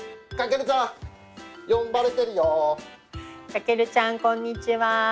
翔ちゃんこんにちは。